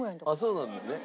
そうなんですね。